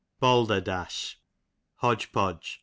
Balderdash, hodge podge.